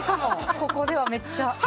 ここでは、めっちゃ。